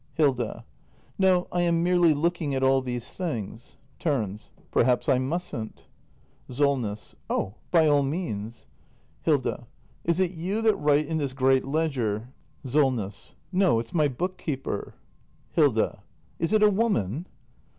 Hilda. No, I am merely looking at all these things. [Turns.] Perhaps I mustn't? act i] THE MASTER BUILDER 293 SOLNESS. Oh, by all means. Hilda. Is it you that write in this great ledger ? SOLNESS. No, it's my book keeper. Hilda. Is it a woman